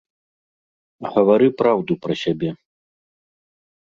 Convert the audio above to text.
Гавары праўду пра сябе.